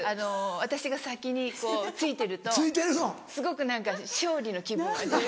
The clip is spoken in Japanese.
私が先に着いてるとすごく何か勝利の気分を味わえる。